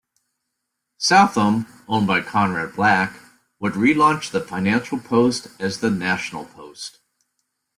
Southam, owned by Conrad Black, would relaunch the "Financial Post" as the "National Post".